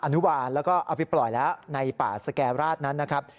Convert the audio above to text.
อนุบาลแล้วก็เอาไปปล่อยแล้วในป่าสแก่ราชนั้นนะครับ